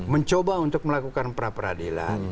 mencoba untuk melakukan pra peradilan